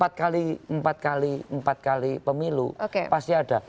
dan itu sejak empat kali pemilu pasti ada